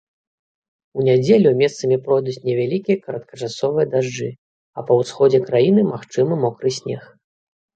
У нядзелю месцамі пройдуць невялікія кароткачасовыя дажджы, а па ўсходзе краіны магчымы мокры снег.